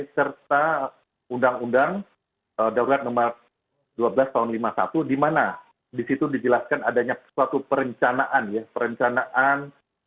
serta undang undang daulat nomor dua belas tahun lima puluh satu di mana di situ dijelaskan adanya suatu perencanaan ya perencanaan